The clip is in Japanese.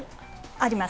あります。